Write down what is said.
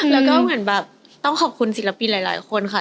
แล้วก็เหมือนแบบต้องขอบคุณศิลปินหลายคนค่ะ